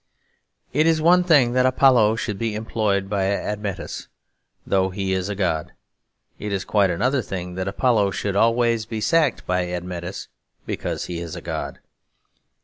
It is one thing that Apollo should be employed by Admetus, although he is a god. It is quite another thing that Apollo should always be sacked by Admetus, because he is a god.